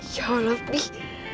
ya allah prih